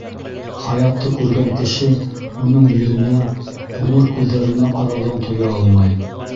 Хаятты күргән кеше уның йөҙөнә, ҡуңыр күҙҙәренә ҡарауҙан туя алмай.